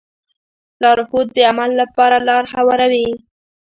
لارښود د عمل لپاره لاره هواروي.